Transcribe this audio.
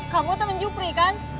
kamu temen jupri kan